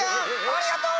「ありがとう！」。